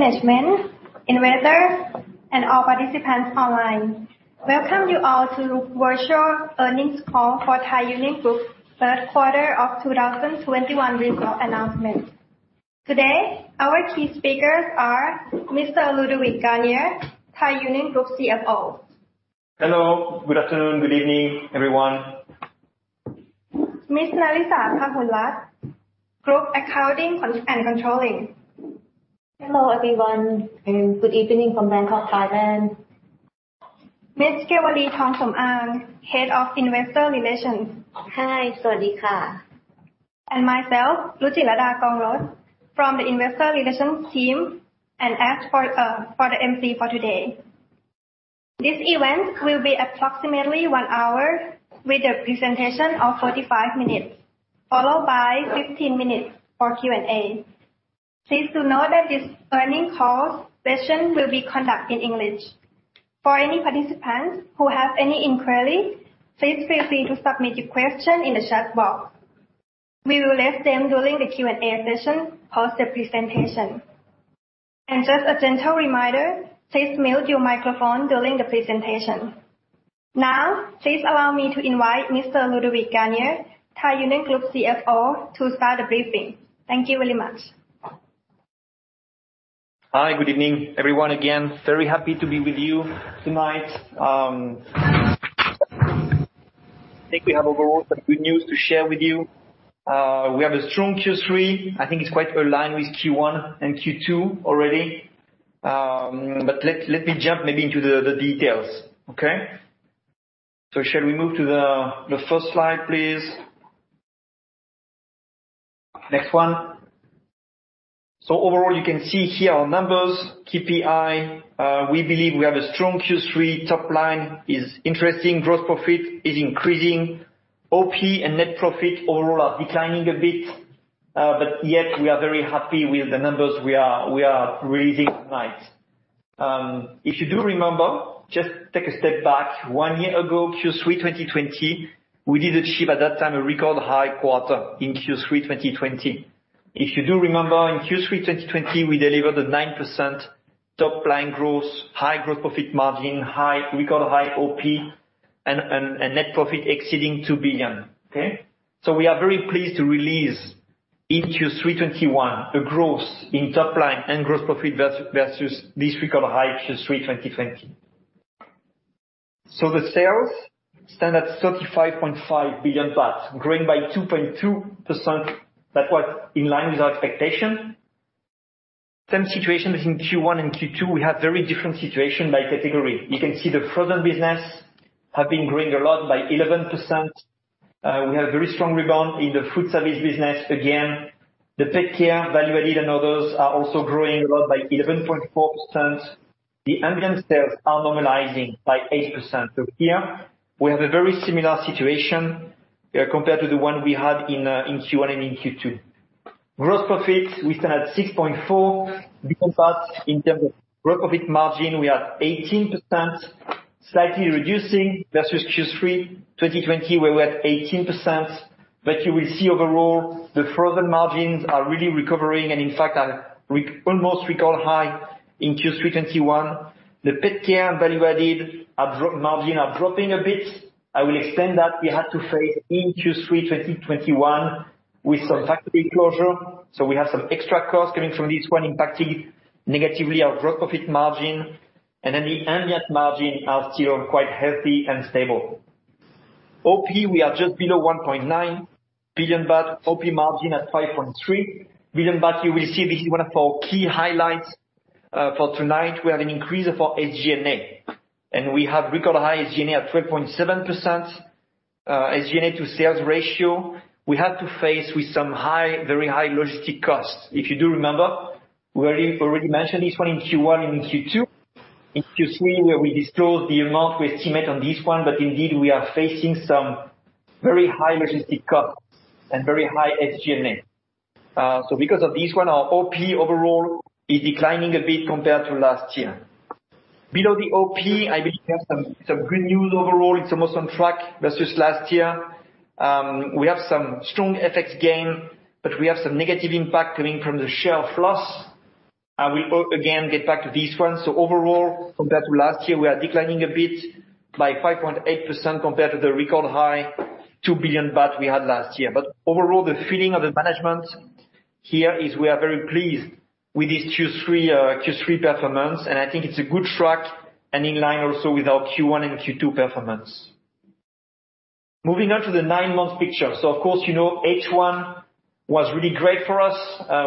Good day, management, investors, and all participants online. Welcome you all to virtual earnings call for Thai Union Group Q3 of 2021 results announcement. Today, our key speakers are Mr. Ludovic Garnier, Thai Union Group CFO. Hello. Good afternoon, good evening, everyone. Ms. Narisa Phahulrat, Group Accounting and Controlling. Hello, everyone, and good evening from Bangkok, Thailand. Ms. Kalvalee Thongsomaung, Head of Investor Relations. Hello, everyone. My name is Rujirada Kongros from the Investor Relations team, and I will be your emcee today. This event will be approximately one hour, with the presentation of 45 minutes, followed by 15 minutes for Q&A. Please do note that this earnings call session will be conducted in English. For any participants who have any inquiry, please feel free to submit your question in the chat box. We will raise them during the Q&A session post the presentation. Just a gentle reminder, please mute your microphone during the presentation. Now, please allow me to invite Mr. Ludovic Garnier, Thai Union Group CFO, to start the briefing. Thank you very much. Hi. Good evening, everyone. Again, very happy to be with you tonight. We have positive developments to share this quarter. We have a strong Q3. I think it's quite aligned with Q1 and Q2 already. Let me move into the details. Shall we move to the first Slide, please. Next one. Here you can see our key performance indicators. We believe we have a strong Q3. Top line is interesting. Gross profit is increasing. OP and net profit overall are declining a bit, yet we are very satisfied with the results reported this quarter. If you do remember, just take a step back, one year ago, Q3 2020, we achieved a record-high quarter in Q3 2020. If you do remember, in Q3 2020, we delivered a 9% top line growth, high gross profit margin, record high OP and net profit exceeding 2 billion. Okay? We are very pleased to release in Q3 2021 a growth in top line and gross profit versus this record high Q3 2020. Sales stood at 35.5 billion baht, growing by 2.2%. That was in line with our expectation. As in Q1 and Q2, performance varied significantly by category. You can see the Frozen business has been showing strong growth, by 11%. We have very strong rebound in the food service business again. The PetCare, Value-added, and others are also showing strong growth, by 11.4%. The Ambient sales are normalizing by 8%. Here we have a very similar situation compared to the one we had in Q1 and in Q2. Gross profit, we stand at 6.4 billion. In terms of gross profit margin, we are at 18%, slightly reducing versus Q3 2020, where we are at 18%. You will see overall the Frozen seafood margins are really recovering and in fact are almost record high in Q3 2021. The PetCare and value-added margins are dropping a bit. I will explain that. We faced temporary factory closures in Q3 2021, so we have some extra costs coming from this one impacting negatively our gross profit margin. Then the ambient margins are still quite healthy and stable. OP, we are just below 1.9 billion baht. OP margin at 5.3%. You will see this is one of our key highlights for tonight. We have an increase of our SG&A, and we have record high SG&A at 12.7%. SG&A to sales ratio, We experienced significantly higher logistics costs. If you do remember, we already mentioned this one in Q1 and in Q2. In Q3, where we disclosed the amount we estimate on this one, but indeed we are facing some very high logistics costs and very high SG&A. Because of this one, our OP overall is declining a bit compared to last year. Below the OP, I believe we have some good news overall. It's almost on track versus last year. We have some strong FX gain, but we have some negative impact coming from the share of loss. I will again get back to this one. Overall, results declined slightly year-on-year, by 5.8% compared to the record high 2 billion baht we had last year. Overall, management’s view is we are very pleased with this Q3 performance, and I think it's a good track and in line also with our Q1 and Q2 performance. Moving on to the nine-month picture. Of course, you know H1 was really great for us.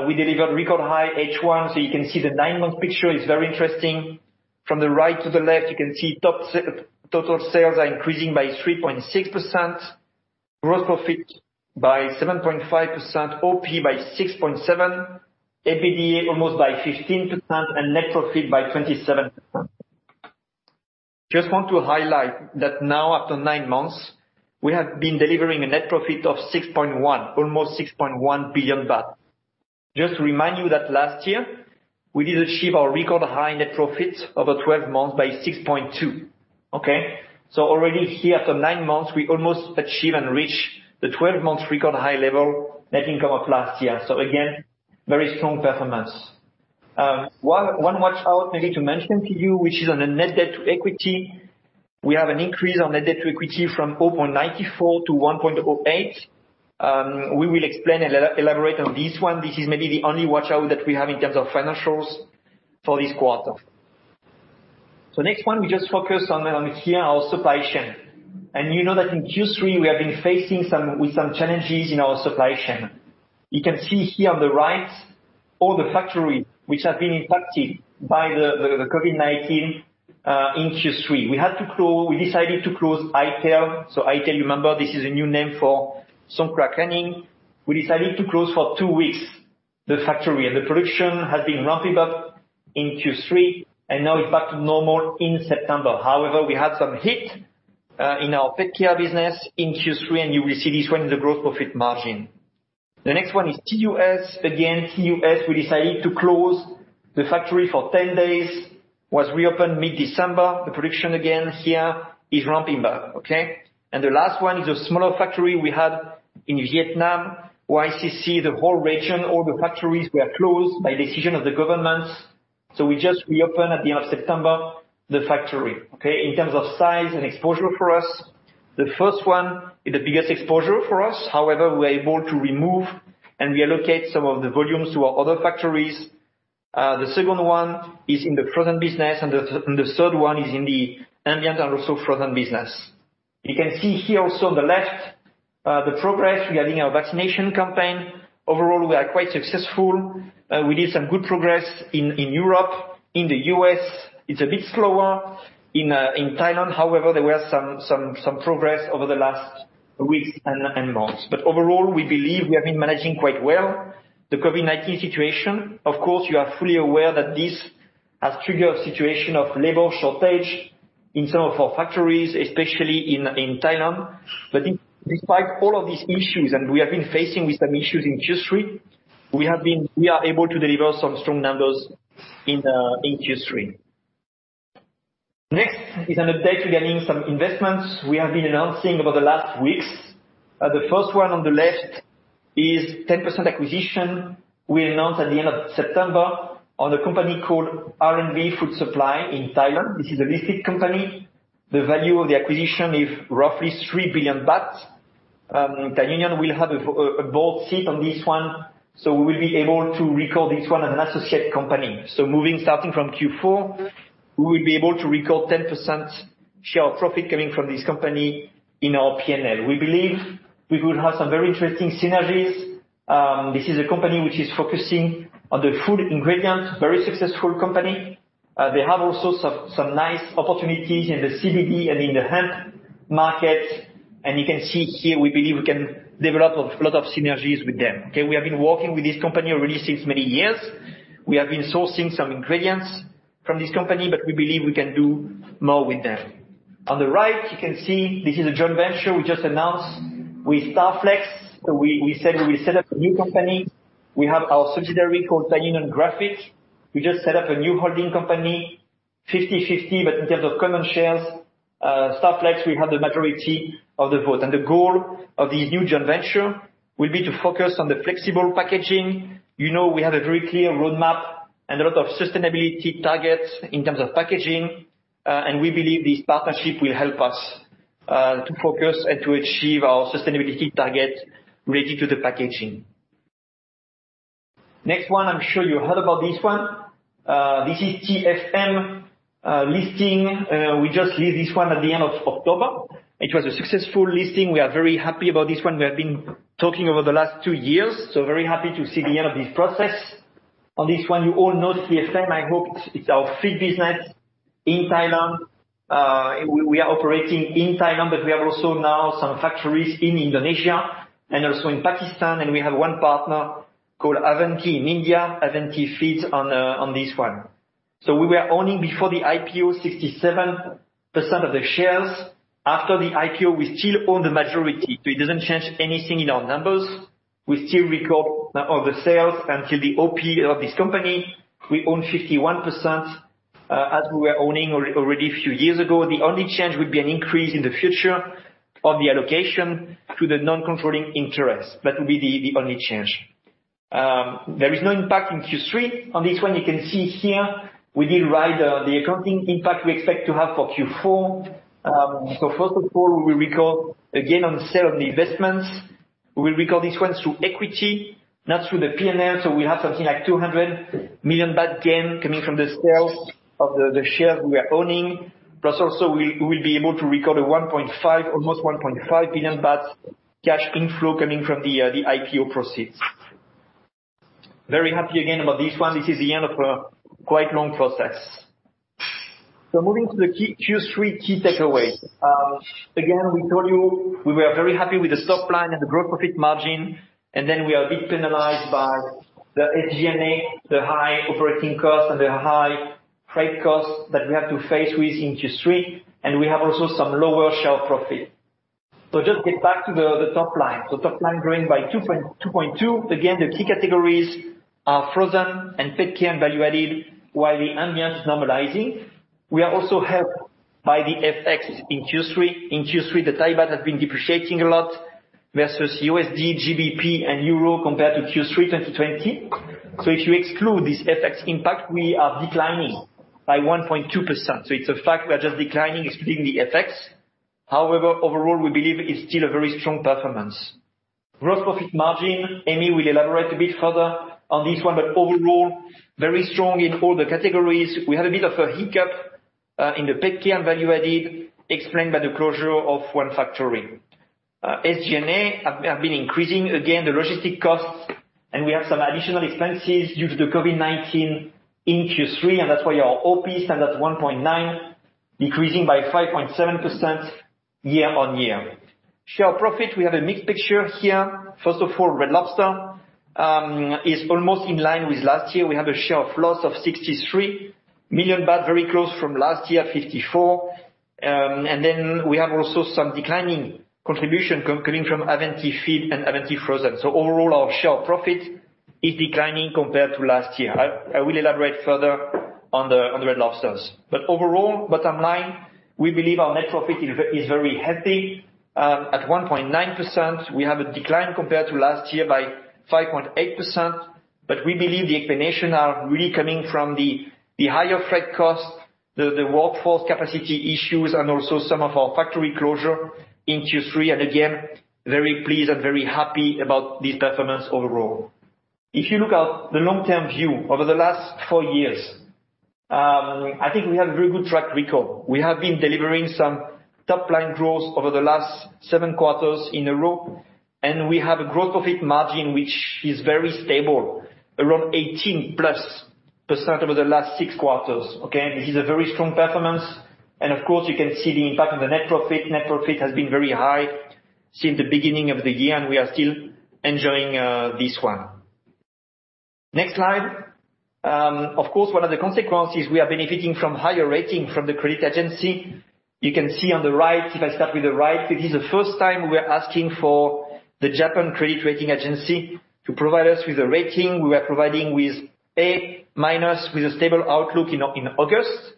We delivered record high H1. You can see the nine-month picture is very interesting. From the right to the left, you can see total sales are increasing by 3.6%, gross profit by 7.5%, OP by 6.7%, EBITDA almost by 15%, and net profit by 27%. Just want to highlight that now after 9 months, we have been delivering a net profit of 6.1 billion, almost 6.1 billion baht. Just to remind you that last year we did achieve our record high net profit over 12 months at 6.2 billion. Okay. Already here for 9 months, we have nearly reached the 12 months record high level net income of last year. Again, very strong performance. One watch out maybe to mention to you, which is on the net debt to equity. the debt-to-equity ratio increased from 0.94 to 1.08. We will explain and elaborate on this one. This is maybe the only watch out that we have in terms of financials for this quarter. Next one, we will now focus on our supply chain. in Q3 we have been facing some challenges in our supply chain. You can see here on the right, all the factories which have been impacted by the COVID-19 in Q3. We decided to close i-Tail. So i-Tail, remember, this is a new name for Songkla Canning. We decided to close for two weeks, the factory. The production has been ramping up in Q3, and now it's back to normal in September. However, we had some hit in our PetCare business in Q3, and you will see this one in the gross profit margin. The next one is TUS. Again, TUS, we decided to close the factory for ten days. It was reopened mid-December. The production again here is ramping back. The last one is a smaller factory we had in Vietnam, YCC. The whole region, all the factories were closed by decision of the governments. We reopened the factory at the end of September. Okay? In terms of size and exposure for us, the first one is the biggest exposure for us. However, we're able to remove and reallocate some of the volumes to our other factories. The second one is in the frozen business, and the third one is in the ambient and also frozen business. You can see here also on the left, the progress regarding our vaccination campaign. Overall, we are quite successful. We did some good progress in Europe. In the U.S., it's a bit slower. In Thailand, however, there were some progress over the last weeks and months. Overall, we believe we have been managing quite well the COVID-19 situation. Of course, you are fully aware that this has triggered a situation of labor shortage in some of our factories, especially in Thailand. Despite all of these issues, we have been facing with some issues in Q3, we are able to deliver some strong numbers in Q3. Next is an update regarding some investments we have been announcing over the last weeks. The first one on the left is 10% acquisition we announced at the end of September on a company called R&B Food Supply in Thailand. This is a listed company. The value of the acquisition is roughly 3 billion baht. Thai Union will have a board seat on this one, so we will be able to record this one as an associate company. Starting from Q4, we will be able to record 10% share profit coming from this company in our P&L. We believe we will have some very interesting synergies. This is a company which is focusing on the food ingredient, very successful company. They have also some nice opportunities in the CBD and in the hemp market. You can see here, we believe we can develop a lot of synergies with them. Okay. We have been working with this company already since many years. We have been sourcing some ingredients from this company, but we believe we can do more with them. On the right, you can see this is a joint venture we just announced with Starflex. We said we will set up a new company. We have our subsidiary called Thai Union Graphic. We just set up a new holding company, 50/50, but in terms of common shares, Starflex will have the majority of the votes. The goal of the new joint venture will be to focus on the flexible packaging. We have a very clear roadmap and a lot of sustainability targets in terms of packaging, and we believe this partnership will help us to focus and to achieve our sustainability target related to the packaging. Next one, I'm sure you heard about this one. This is TFM listing. We just list this one at the end of October. It was a successful listing. We are very happy about this one. We have been talking over the last two years, so very happy to see the end of this process. On this one, you all know TFM, I hope. It's our feed business in Thailand. We are operating in Thailand, but we have also now some factories in Indonesia and also in Pakistan. We have one partner called Avanti in India, Avanti Feeds on this one. We were owning before the IPO 67% of the shares. After the IPO, we still own the majority, so it doesn't change anything in our numbers. We still record all the sales until the OP of this company. We own 51%, as we were owning already a few years ago. The only change would be an increase in the future of the allocation to the non-controlling interest. That will be the only change. There is no impact in Q3 on this one. You can see here we did write the accounting impact we expect to have for Q4. First of all, we record again on the sale of the investments. We record this one through equity, not through the P&L, so we have something like 200 million baht gain coming from the sales of the shares we are owning. Plus, we'll be able to record almost 1.5 billion baht cash inflow coming from the IPO proceeds. Very happy again about this one. This is the end of a quite long process. Moving to the Q3 key takeaways. Again, we told you we were very happy with the top line and the gross profit margin, and then we are a bit penalized by the SG&A, the high operating costs, and the high freight costs that we have to face with in Q3, and we have also some lower share profit. Just get back to the top line. Top line growing by 2.2%. Again, the key categories are frozen and pet care and value added while the ambient is normalizing. We are also helped by the FX in Q3. In Q3, the Thai baht has been depreciating a lot versus USD, GBP and euro compared to Q3 2020. If you exclude this FX impact, we are declining by 1.2%. It's a fact we are just declining excluding the FX. However, overall, we believe it's still a very strong performance. Gross profit margin. Emmy will elaborate a bit further on this one, but overall, very strong in all the categories. We had a bit of a hiccup in the PetCare and value-added, explained by the closure of one factory. SG&A have been increasing again, the logistics costs, and we have some additional expenses due to COVID-19 in Q3, and that's why our OP stand at 1.9%, decreasing by 5.7% year-on-year. Share profit, we have a mixed picture here. First of all, Red Lobster is almost in line with last year. We have a share of loss of 63 million baht, very close from last year, 54 million. And then we have also some declining contribution coming from Avanti Feeds and Avanti Frozen Foods. Overall, our share profit is declining compared to last year. I will elaborate further on the Red Lobster. Overall, bottom line, we believe our net profit is very healthy. At 1.9%, we have a decline compared to last year by 5.8%. We believe the explanation are really coming from the higher freight costs, the workforce capacity issues and also some of our factory closure in Q3. Again, very pleased and very happy about this performance overall. If you look at the long-term view over the last 4 years, I think we have a very good track record. We have been delivering some top line growth over the last 7 quarters in a row, and we have a gross profit margin, which is very stable around 18%+ over the last 6 quarters. Okay. This is a very strong performance. Of course, you can see the impact on the net profit. Net profit has been very high since the beginning of the year, and we are still enjoying this one. Next Slide. Of course, one of the consequences we are benefiting from a higher rating from the credit agency. You can see on the right, if I start with the right, it is the first time we are asking for the Japan Credit Rating Agency to provide us with a rating. They provided us with an A- with a stable outlook in August.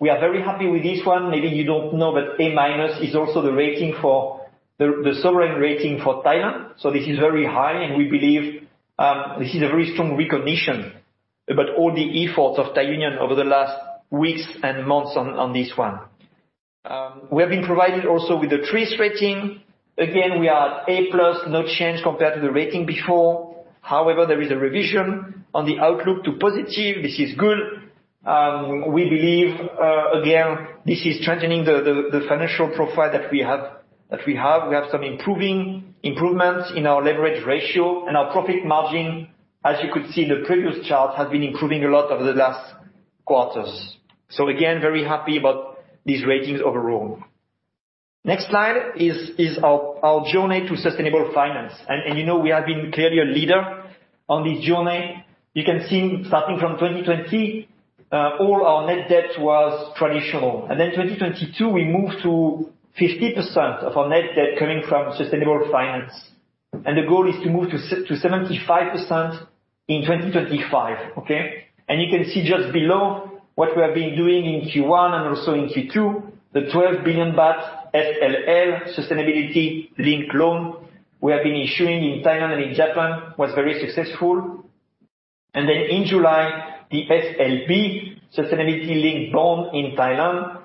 We are very happy with this one. Maybe you don't know, but A minus is also the rating for the sovereign rating for Thailand. This is very high and we believe this is a very strong recognition about all the efforts of Thai Union over the last weeks and months on this one. We have been provided also with the TRIS Rating. Again, we are A plus, no change compared to the rating before. However, there is a revision on the outlook to positive. This is good. We believe again this is strengthening the financial profile that we had, that we have. We have some improvements in our leverage ratio and our profit margin, as you could see in the previous chart, has been improving a lot over the last quarters. Again, very happy about these ratings overall. Next Slide is our journey to sustainable finance. We have been clearly a leader on this journey. You can see starting from 2020, all our net debt was traditional. Then 2022, we moved to 50% of our net debt coming from sustainable finance. The goal is to move to 75% in 2025, okay? You can see just below what we have been doing in Q1 and also in Q2, the 12 billion baht SLL sustainability-linked loan we have been issuing in Thailand and in Japan was very successful. Then in July, the SLB sustainability-linked bond in Thailand,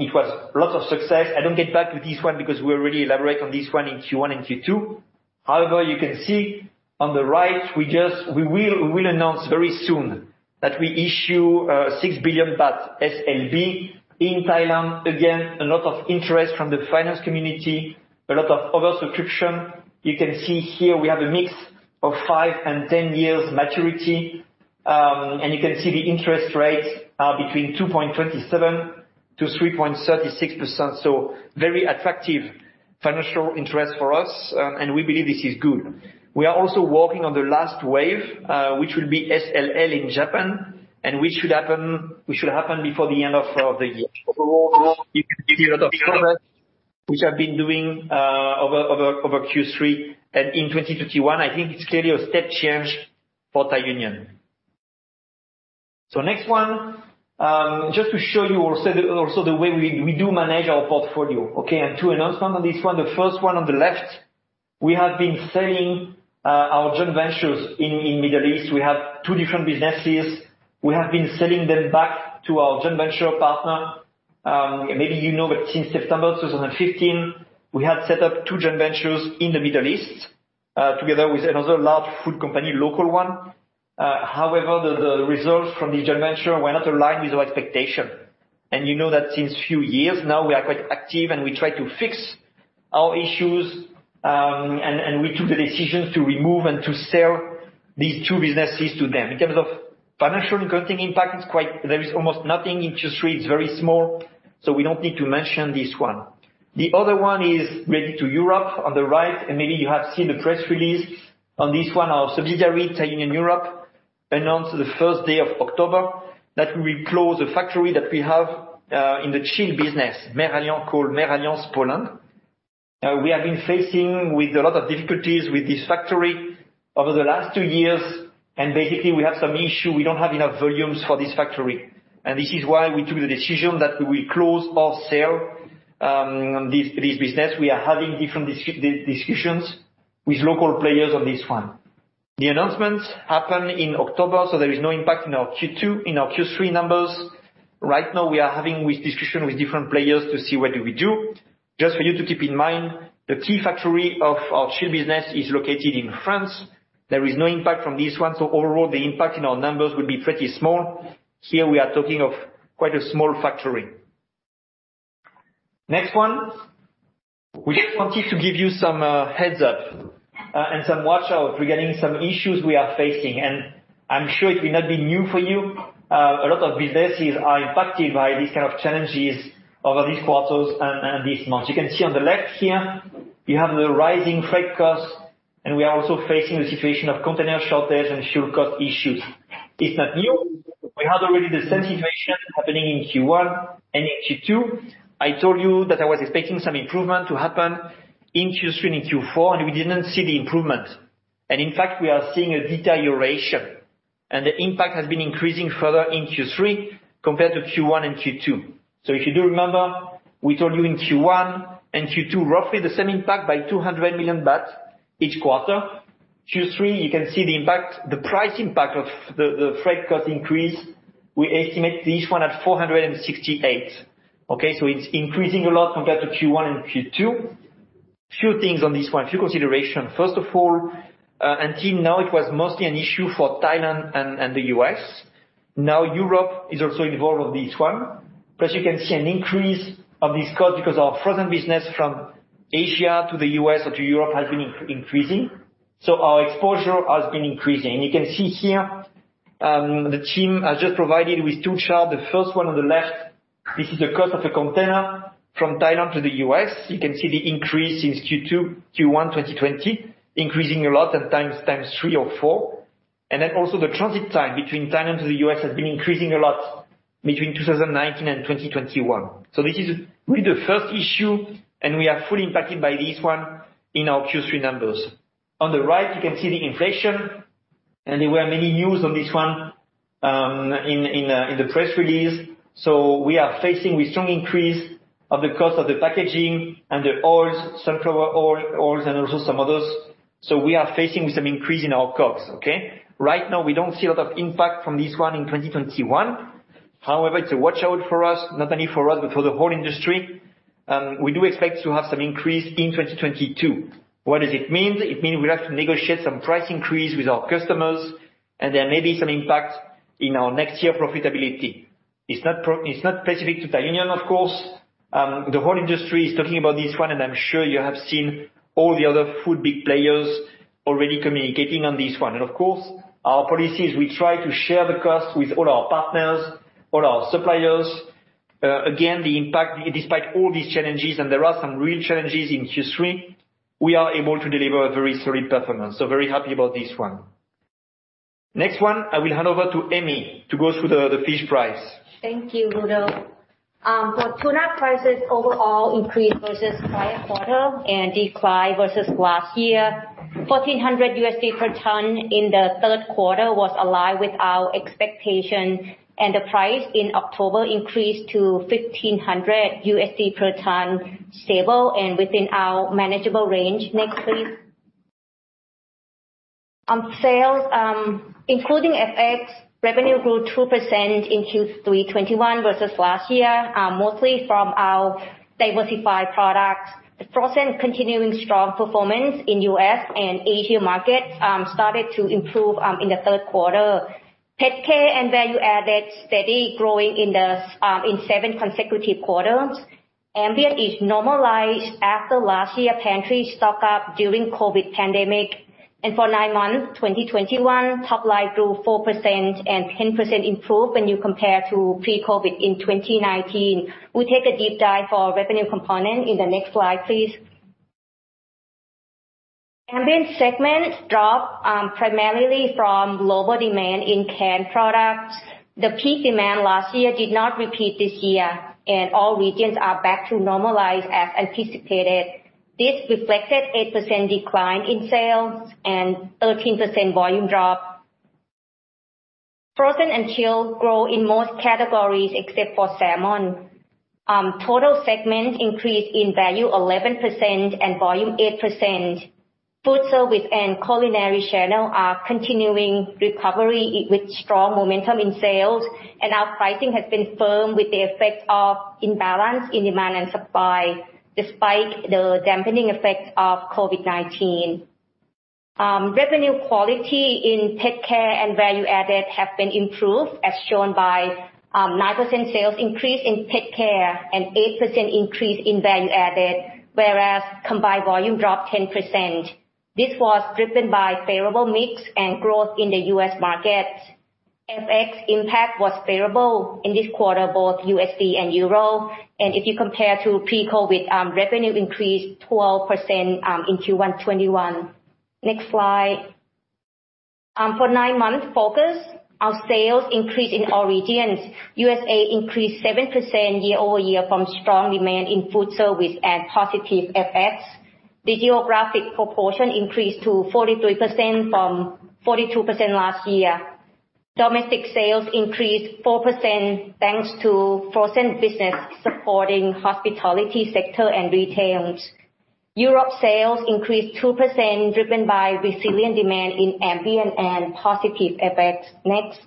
it was lots of success. I don't go back to this one because we already elaborated on this one in Q1 and Q2. However, you can see on the right we will announce very soon that we issue 6 billion baht SLB in Thailand. Again, a lot of interest from the finance community, a lot of oversubscription. You can see here we have a mix of 5 and 10 years maturity. And you can see the interest rates are between 2.27%-3.36%. So very attractive financial interest for us, and we believe this is good. We are also working on the last wave, which will be SLL in Japan and which should happen before the end of the year. Overall, you can see a lot of progress, which we've been doing over Q3 and in 2021. I think it's clearly a step change for Thai Union. Next one, just to show you also the way we do manage our portfolio. Okay. Two announcements on this one. The first one on the left, we have been selling our joint ventures in Middle East. We have two different businesses. We have been selling them back to our joint venture partner. Maybe since September 2015, we had set up two joint ventures in the Middle East, together with another large food company, local one. However, the results from the joint venture were not aligned with our expectation. Since few years now, we are quite active, and we try to fix our issues, and we took the decision to remove and to sell these two businesses to them. In terms of financial and accounting impact, it's quite there is almost nothing. Interest rate is very small, so we don't need to mention this one. The other one is related to Europe on the right, and maybe you have seen the press release on this one. Our subsidiary, Thai Union Europe, announced on the first day of October that we will close a factory that we have in the chilled business, MerAlliance, called MerAlliance Poland. We have been facing with a lot of difficulties with this factory over the last two years. Basically, we have some issue, we don't have enough volumes for this factory. This is why we took the decision that we will close or sell this business. We are having different discussions with local players on this one. The announcements happened in October, so there is no impact in our Q2. In our Q3 numbers. Right now we are having discussions with different players to see what do we do. Just for you to keep in mind, the key factory of our chilled business is located in France. There is no impact from this one, so overall the impact in our numbers will be pretty small. Here we are talking of quite a small factory. Next one. We just wanted to give you some heads-up and some watch-out regarding some issues we are facing. I'm sure it will not be new for you. A lot of businesses are impacted by these kind of challenges over these quarters and this month. You can see on the left here, you have the rising freight costs, and we are also facing the situation of container shortage and fuel cost issues. It's not new. We had already the same situation happening in Q1 and in Q2. I told you that I was expecting some improvement to happen in Q3 and in Q4, and we didn't see the improvement. In fact, we are seeing a deterioration, and the impact has been increasing further in Q3 compared to Q1 and Q2. If you do remember, we told you in Q1 and Q2, roughly the same impact by 200 million baht each quarter. Q3, you can see the impact, the price impact of the freight cost increase. We estimate this one at 468 million, okay? It's increasing a lot compared to Q1 and Q2. Few things on this one, few consideration. First of all, until now it was mostly an issue for Thailand and the U.S. Now Europe is also involved on this one. You can see an increase of this cost because our frozen business from Asia to the U.S. or to Europe has been increasing. Our exposure has been increasing. You can see here the team has just provided with two chart. The first one on the left, this is the cost of a container from Thailand to the U.S. You can see the increase since Q2, Q1 2020, increasing a lot and times three or four. Then also the transit time between Thailand to the U.S. has been increasing a lot between 2019 and 2021. This is really the first issue, and we are fully impacted by this one in our Q3 numbers. On the right, you can see the inflation. There were many news on this one in the press release. We are facing with strong increase of the cost of the packaging and the oils, sunflower oil, oils and also some others. We are facing with some increase in our costs, okay? Right now we don't see a lot of impact from this one in 2021. However, it's a watch-out for us, not only for us, but for the whole industry. We do expect to have some increase in 2022. What does it mean? It means we have to negotiate some price increase with our customers, and there may be some impact in our next year profitability. It's not specific to Thai Union, of course. The whole industry is talking about this one, and I'm sure you have seen all the other food big players already communicating on this one. Of course, our policy is we try to share the cost with all our partners, all our suppliers. Again, the impact, despite all these challenges, and there are some real challenges in Q3, we are able to deliver a very solid performance. Very happy about this one. Next one, I will hand over to Emmy to go through the fish price. Thank you, Ludo. For tuna prices overall increased versus prior quarter and declined versus last year. $1,400 USD per ton in the Q3 was aligned with our expectation. The price in October increased to $1,500 USD per ton, stable and within our manageable range. Next, please. Sales, including FX, revenue grew 2% in Q3 2021 versus last year, mostly from our diversified products. The Frozen continuing strong performance in U.S. and Asia markets started to improve in the Q3. PetCare and value-added steady growing in 7 consecutive quarters. Ambient is normalized after last year pantry stock-up during COVID pandemic. For 9 months 2021, top line grew 4% and 10% improved when you compare to pre-COVID in 2019. We take a deep dive for revenue component in the next Slide, please. Ambient segment dropped primarily from lower demand in canned products. The peak demand last year did not repeat this year, and all regions are back to normalized as anticipated. This reflected 8% decline in sales and 13% volume drop. Frozen and chilled grow in most categories except for salmon. Total segment increased in value 11% and volume 8%. Food service and culinary channel are continuing recovery with strong momentum in sales. Our pricing has been firm with the effect of imbalance in demand and supply, despite the dampening effect of COVID-19. Revenue quality in PetCare and value-added have been improved, as shown by 9% sales increase in PetCare and 8% increase in value-added, whereas combined volume dropped 10%. This was driven by favorable mix and growth in the U.S. market. FX impact was favorable in this quarter, both USD and euro. If you compare to pre-COVID, revenue increased 12% in Q1 2021. Next Slide. For 9-month period, our sales increased in all regions. U.S. increased 7% year-over-year from strong demand in food service and positive FX. Geographic proportion increased to 43% from 42% last year. Domestic sales increased 4% thanks to frozen business supporting hospitality sector and retail. Europe sales increased 2% driven by resilient demand in ambient and positive FX. Next.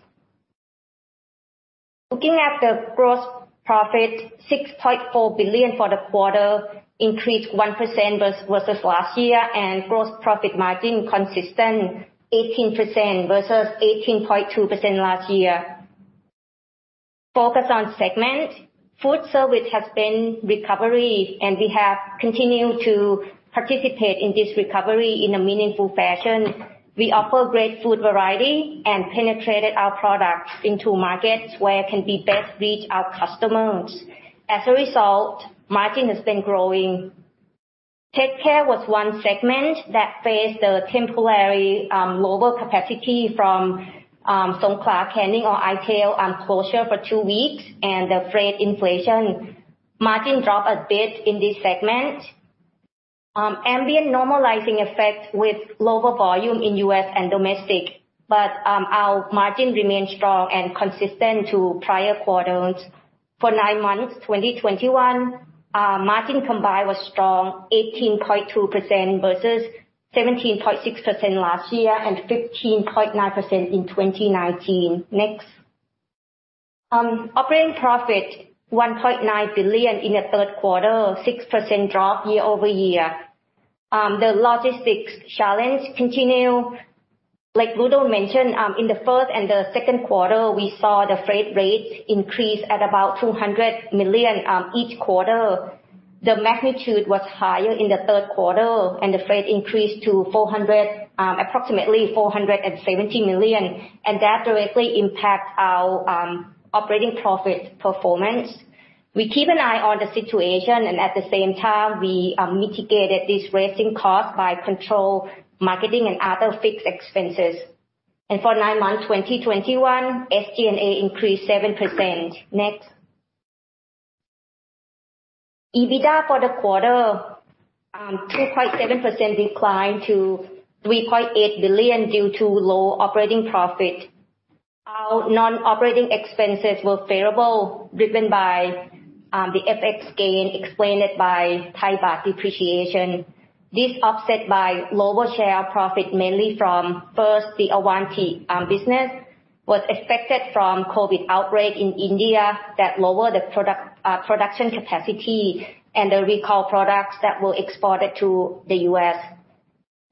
Looking at the gross profit, 6.4 billion for the quarter, increased 1% versus last year, and gross profit margin consistent 18% versus 18.2% last year. Focus on segment. Food service has been recovering, and we have continued to participate in this recovery in a meaningful fashion. We offer great food variety and penetrated our products into markets where we can best reach our customers. As a result, margin has been growing. PetCare was one segment that faced a temporary global capacity from Songkla Canning or i-Tail closure for two weeks and the freight inflation. Margin dropped a bit in this segment. Ambient normalizing effect with lower volume in U.S. and domestic, but our margin remains strong and consistent to prior quarters. For nine months, 2021, margin combined was strong, 18.2% versus 17.6% last year and 15.9% in 2019. Next. Operating profit, 1.9 billion in the Q3, 6% drop year-over-year. The logistics challenge continue. Like Ludo mentioned, in the first and Q2, we saw the freight rates increase at about 200 million each quarter. The magnitude was higher in the Q3, and the freight increased to four hundred, approximately 470 million, and that directly impact our operating profit performance. We keep an eye on the situation, and at the same time, we mitigated this rising cost by controlling marketing and other fixed expenses. For nine months, 2021, SG&A increased 7%. Next. EBITDA for the quarter, 2.7% decline to 3.8 billion due to low operating profit. Our non-operating expenses were favorable, driven by the FX gain explained by Thai baht depreciation. This offset by lower share profit mainly from, first, the Avanti business was affected by COVID-19 outbreak in India that lowered the production capacity and the recalled products that were exported to the U.S.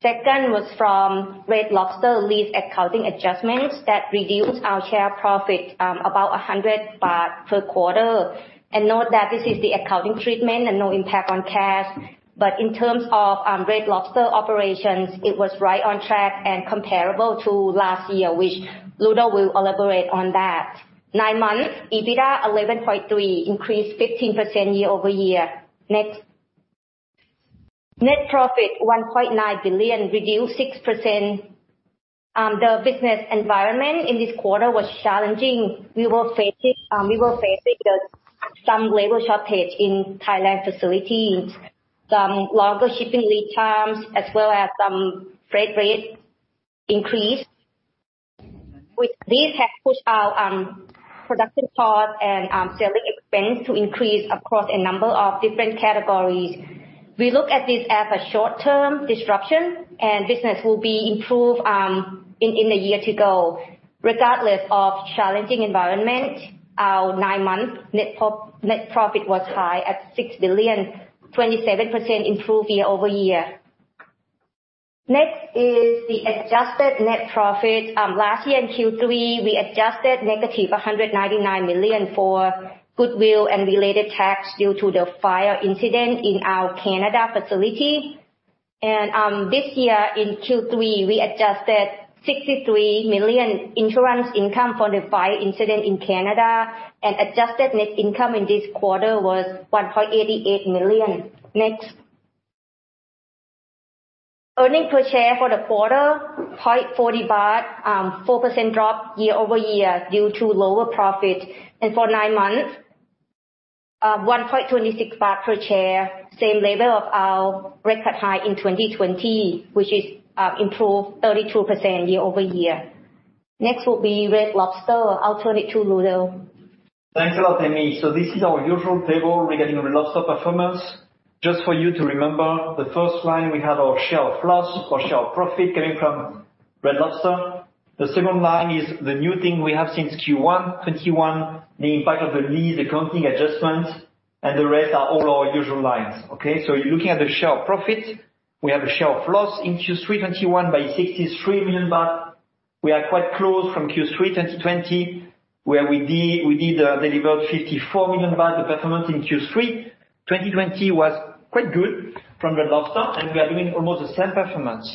Second was from Red Lobster lease accounting adjustments that reduced our share profit about 100 baht per quarter. Note that this is the accounting treatment and no impact on cash. In terms of Red Lobster operations, it was right on track and comparable to last year, which Ludo will elaborate on that. Nine months EBITDA 11.3, increased 15% year-over-year. Next. Net profit 1.9 billion THB, reduced 6%. The business environment in this quarter was challenging. We were facing some labor shortage in Thailand facilities, some longer shipping lead times as well as some freight rates increase. With this has pushed our production cost and selling expense to increase across a number of different categories. We look at this as a short-term disruption and business will be improved in the year to go. Regardless of challenging environment, our nine-month net profit was high at 6 billion, 27% improved year-over-year. Next is the adjusted net profit. Last year in Q3 we adjusted negative 199 million for goodwill and related tax due to the fire incident in our Canada facility. This year in Q3 we adjusted 63 million insurance income for the fire incident in Canada and adjusted net income in this quarter was 1.88 million. Next. Earnings per share for the quarter, 0.40 baht, 4% drop year-over-year due to lower profit. For nine months, 1.26 baht per share, same level of our record high in 2020, which is improved 32% year-over-year. Next will be Red Lobster. I'll turn it to Ludo. Thanks a lot, Amie. This is our usual table regarding Red Lobster performance. Just for you to remember, the first line we have our share of loss or share of profit coming from Red Lobster. The second line is the new thing we have since Q1 2021, the impact of the lease accounting adjustments, and the rest are all our usual lines. Okay, looking at the share of profit, we have a share of loss in Q3 2021 by 63 million baht. We are quite close from Q3 2020 where we did deliver 54 million baht of performance in Q3 2020. 2020 was quite good from Red Lobster, and we are doing almost the same performance.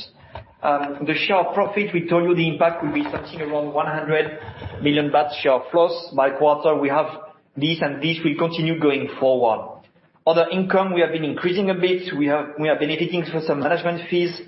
The share profit, we told you the impact will be something around 100 million baht share loss by quarter. We have this and this will continue going forward. Other income, we have been increasing a bit. We have benefiting from some management fees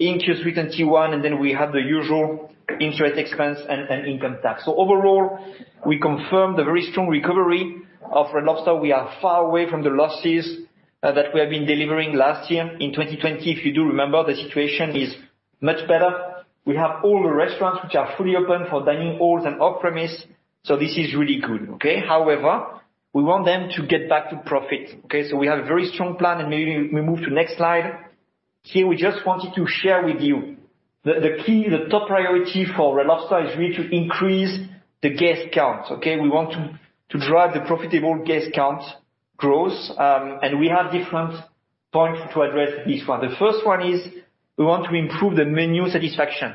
in Q3 and Q1, and then we have the usual interest expense and income tax. Overall, we confirm the very strong recovery of Red Lobster. We are far away from the losses that we have been delivering last year in 2020. If you do remember, the situation is much better. We have all the restaurants which are fully open for dining in and off-premise. This is really good. Okay. However, we want them to get back to profit. Okay. We have a very strong plan, and maybe we move to next Slide. Here, we just wanted to share with you the key, the top priority for Red Lobster is really to increase the guest count. Okay. We want to drive the profitable guest count growth, and we have different points to address this one. The first one is we want to improve the menu satisfaction.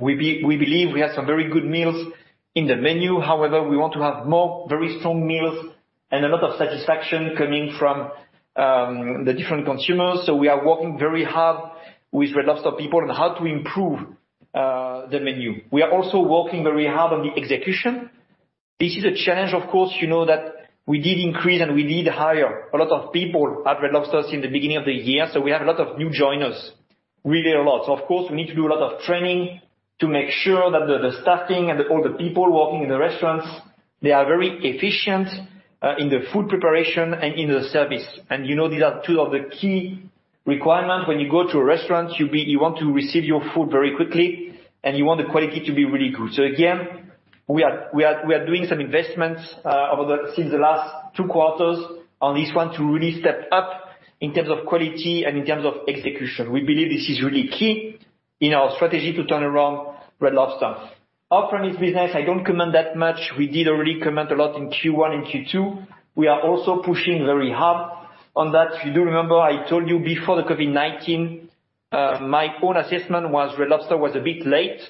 We believe we have some very good meals in the menu. However, we want to have more very strong meals and a lot of satisfaction coming from the different consumers. We are working very hard with Red Lobster people on how to improve the menu. We are also working very hard on the execution. This is a challenge, of course, we did increase and we did hire a lot of people at Red Lobster in the beginning of the year, so we have a lot of new joiners. Really a lot. Of course, we need to do a lot of training to make sure that the staffing and all the people working in the restaurants, they are very efficient in the food preparation and in the service. These are two of the key requirements. When you go to a restaurant, you want to receive your food very quickly, and you want the quality to be really good. Again, we are doing some investments since the last two quarters on this one to really step up in terms of quality and in terms of execution. We believe this is really key in our strategy to turn around Red Lobster. Off-premise business, I don't comment that much. We did already comment a lot in Q1 and Q2. We are also pushing very hard on that. If you do remember, I told you before the COVID-19, my own assessment was Red Lobster was a bit late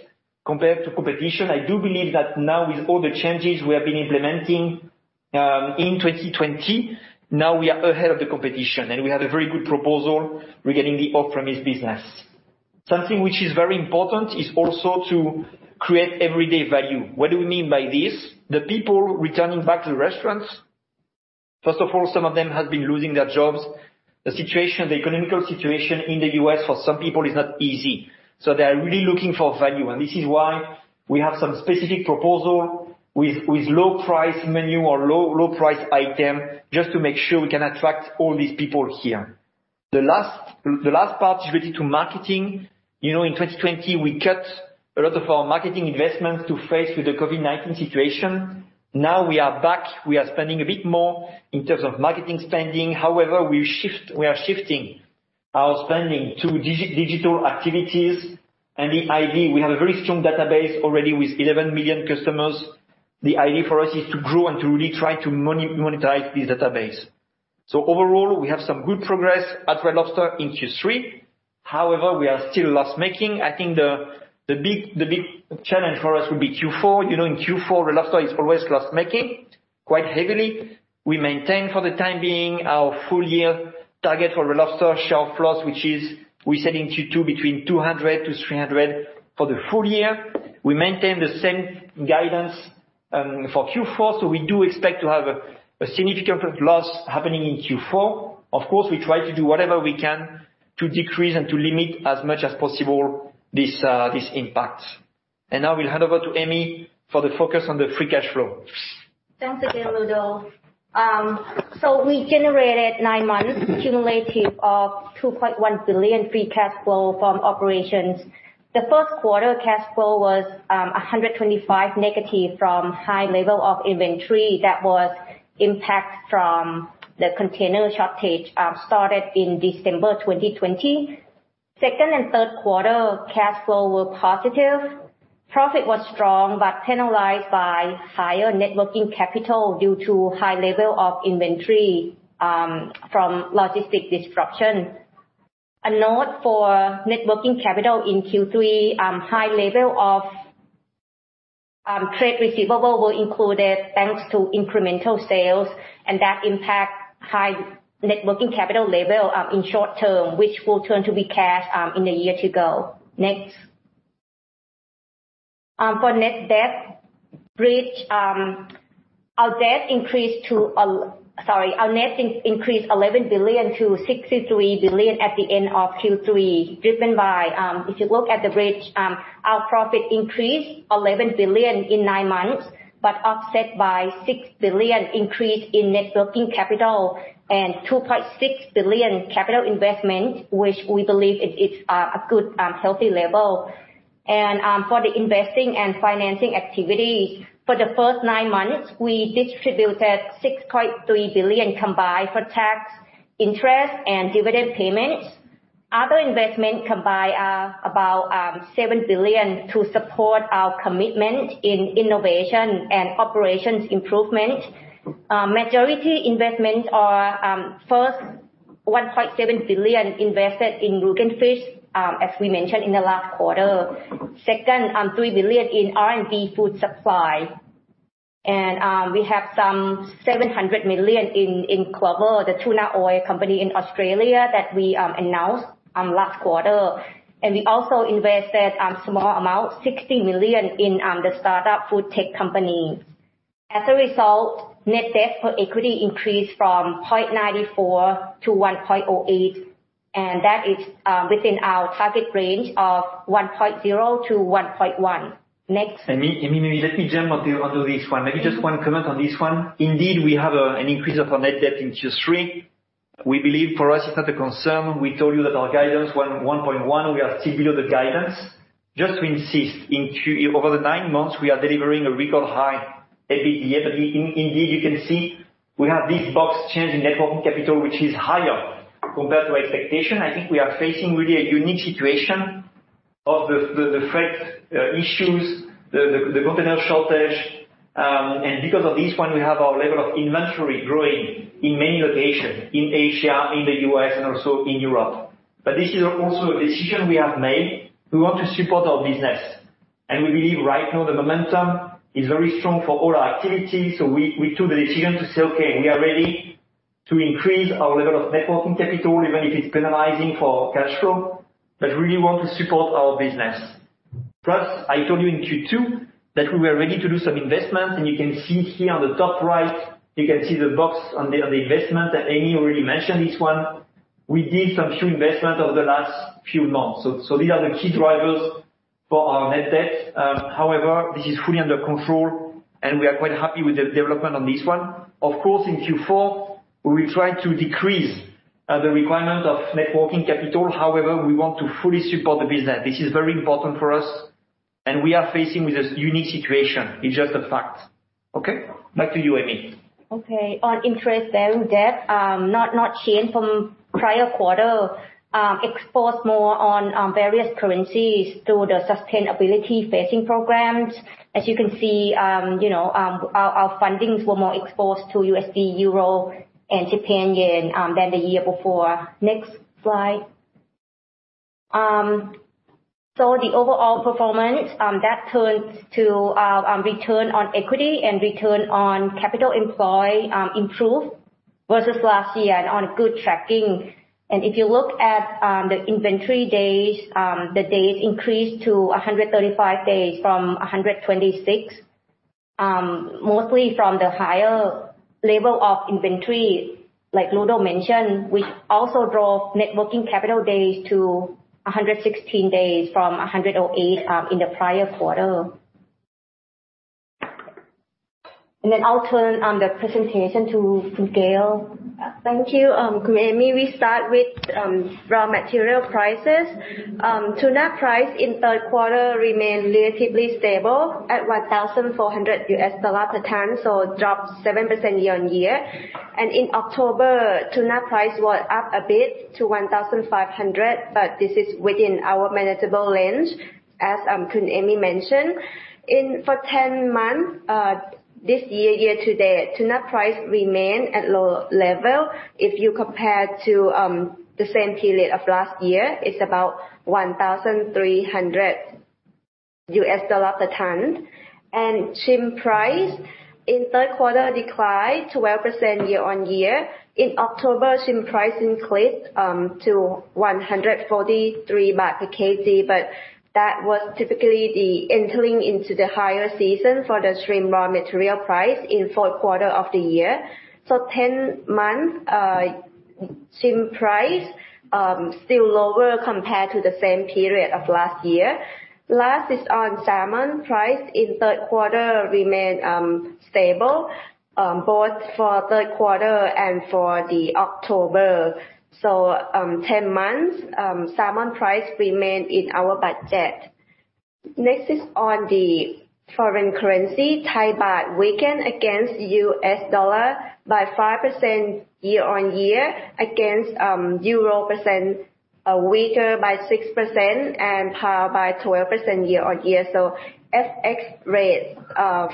compared to competition. I do believe that now with all the changes we have been implementing in 2020, now we are ahead of the competition, and we have a very good proposal regarding the off-premise business. Something which is very important is also to create everyday value. What do we mean by this? The people returning back to the restaurants, first of all, some of them have been losing their jobs. The situation, the economic situation in the U.S. for some people is not easy, so they are really looking for value. This is why we have some specific proposal with low price menu or low price item just to make sure we can attract all these people here. The last part is really to marketing. In 2020, we cut a lot of our marketing investments to face with the COVID-19 situation. Now we are back. We are spending a bit more in terms of marketing spending. However, we are shifting our spending to digital activities. The idea, we have a very strong database already with 11 million customers. The idea for us is to grow and to really try to monetize this database. Overall, we have some good progress at Red Lobster in Q3. However, we are still loss-making. I think the big challenge for us will be Q4. In Q4, Red Lobster is always loss-making, quite heavily. We maintain for the time being our full year target for Red Lobster share of loss, which is we said in Q2 between $200-$300. For the full year, we maintain the same guidance for Q4, so we do expect to have a significant loss happening in Q4. Of course, we try to do whatever we can to decrease and to limit as much as possible this impact. Now we'll hand over to Amie for the focus on the free cash flow. Thanks again, Ludovic Garnier. We generated 9 months cumulative of 2.1 billion free cash flow from operations. The Q1 cash flow was -125 from high level of inventory that was impact from the container shortage started in December 2020. Second and Q3 cash flow were positive. Profit was strong but penalized by higher net working capital due to high level of inventory from logistics disruption. A note for net working capital in Q3, high level of trade receivables were included thanks to incremental sales, and that impact high net working capital level in short term, which will turn to be cash in the year to go. Next. For net debt bridge, our debt increased. Sorry. Our net increased 11 billion to 63 billion at the end of Q3, driven by if you look at the bridge, our profit increased 11 billion in nine months, but offset by 6 billion increase in net working capital and 2.6 billion capital investment, which we believe is a good healthy level. For the investing and financing activity, for the first nine months, we distributed 6.3 billion combined for tax, interest, and dividend payments. Other investments combined are about 7 billion to support our commitment in innovation and operations improvement. Majority investments are first, 1.7 billion invested in Rügen Fisch, as we mentioned in the last quarter. Second, 3 billion in R&B Food Supply. We have 700 million in Clover Corporation, the tuna oil company in Australia that we announced last quarter. We also invested small amount, 60 million, in the startup food tech company. As a result, net debt to equity increased from 0.94 to 1.08, and that is within our target range of 1.0-1.1. Next. Amie, maybe let me jump on to this one. Maybe just one comment on this one. Indeed, we have an increase of our net debt in Q3. We believe for us it's not a concern. We told you that our guidance 1.1, we are still below the guidance. Just to insist, over the nine months, we are delivering a record high EBITDA. Indeed, you can see we have this big change in net working capital, which is higher compared to expectation. I think we are facing really a unique situation of the freight issues, the container shortage. Because of this one, we have our level of inventory growing in many locations, in Asia, in the U.S., and also in Europe. This is also a decision we have made. We want to support our business. We believe right now the momentum is very strong for all our activities. We took the decision to say, "Okay, we are ready to increase our level of net working capital, even if it's penalizing for our cash flow, but we want to support our business." Plus, I told you in Q2 that we were ready to do some investment. You can see here on the top right, you can see the box on the investment that Amie already mentioned, this one. We did some few investment over the last few months. These are the key drivers for our net debt. However, this is fully under control, and we are quite happy with the development on this one. Of course, in Q4, we will try to decrease the requirement of net working capital. However, we want to fully support the business. This is very important for us, and we are facing with this unique situation. It's just a fact. Okay? Back to you, Amie. Okay. On interest-bearing debt, not changed from prior quarter. Exposed more on various currencies through the sustainability financing programs. As you can see, our fundings were more exposed to USD, Euro, and Japanese Yen than the year before. Next Slide. The overall performance, return on equity and return on capital employed, improved versus last year and on good tracking. If you look at the inventory days, the days increased to 135 days from 126, mostly from the higher level of inventory, like Ludo mentioned. We also drove net working capital days to 116 days from 108 in the prior quarter. I'll turn the presentation to Kavalee. Thank you, Amie. We start with raw material prices. Tuna price in Q3 remained relatively stable at $1,400 per ton, so it dropped 7% year-on-year. In October, tuna price was up a bit to $1,500, but this is within our manageable range, as Khun Amie mentioned. In for 10 months this year to date, tuna price remain at low level. If you compare to the same period of last year, it's about $1,300 per ton. Shrimp price in Q3 declined 12% year-on-year. In October, shrimp price increased to 143 baht per kg, but that was typically the entering into the higher season for the shrimp raw material price in Q4 of the year. 10 months shrimp price still lower compared to the same period of last year. Next is on salmon price in Q3 remained stable both for Q3 and for October. 10 months salmon price remained in our budget. Next is on the foreign currency. Thai baht weakened against U.S. dollar by 5% year-on-year, against euro, weaker by 6% and pound by 12% year-on-year. FX rates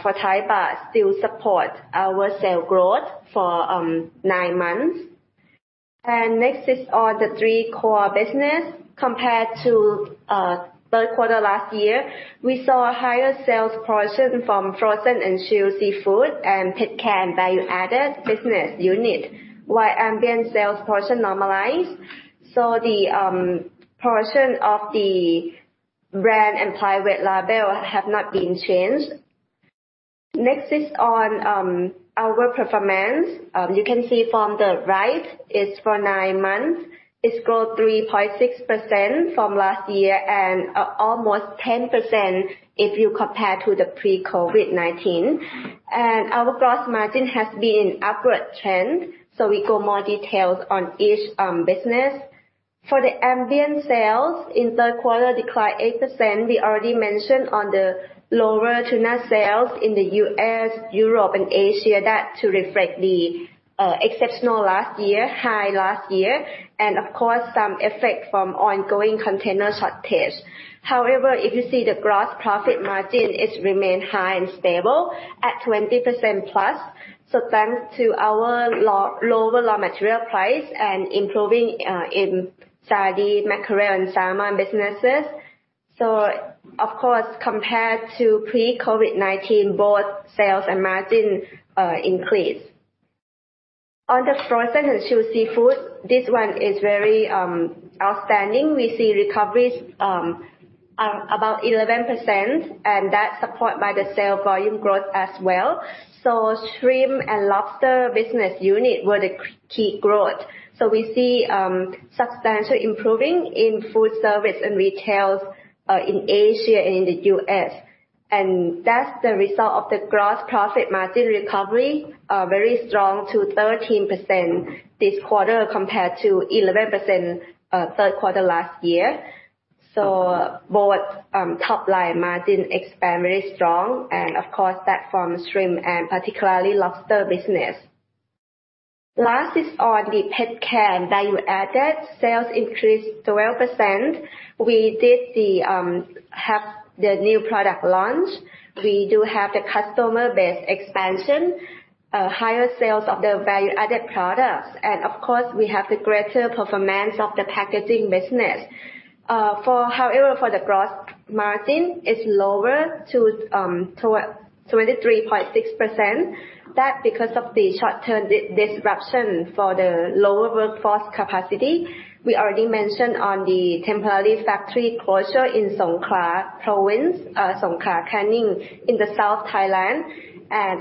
for Thai baht still support our sales growth for 9 months. Next is on the three core businesses. Compared to Q3 last year, we saw higher sales portion from frozen and chilled seafood and PetCare and value-added business unit, while ambient sales portion normalized. The portion of the brand and private label have not been changed. Next is on our performance. You can see from the right, it's for nine months. It's grown 3.6% from last year and almost 10% if you compare to the pre-COVID-19. Our gross margin has been on an upward trend, we go into more details on each business. For the ambient sales in Q3 declined 8%. We already mentioned the lower tuna sales in the U.S., Europe, and Asia. That is to reflect the exceptional high last year, and of course, some effect from ongoing container shortage. However, if you see the gross profit margin, it's remained high and stable at 20%+. Thanks to our lower raw material price and improving in sardine, mackerel, and salmon businesses. Of course, compared to pre-COVID-19, both sales and margin increased. On the frozen and chilled seafood, this one is very outstanding. We see recoveries about 11%, and that's supported by the sales volume growth as well. Shrimp and lobster business unit were the key growth. We see substantial improvement in food service and retail in Asia and in the U.S. That's the result of the gross profit margin recovery very strong to 13% this quarter, compared to 11% Q3 last year. Both top-line margin expansion very strong and of course that from shrimp and particularly lobster business. Last is on the PetCare and value-added. Sales increased 12%. We did have the new product launch. We do have the customer base expansion higher sales of the value-added products. Of course we have the greater performance of the packaging business. However, for the gross margin, it's lower, too, to 23.6%. That's because of the short-term disruption for the lower workforce capacity. We already mentioned the temporary factory closure in Songkhla province, Songkla Canning in southern Thailand.